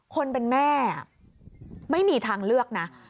คนเป็นแม่ไม่มีทางเลือกนะ